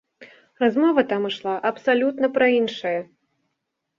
Размова там ішла абсалютна пра іншае.